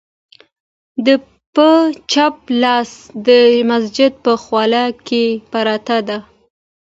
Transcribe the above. د په چپ لاس د مسجد په خوله کې پرته ده،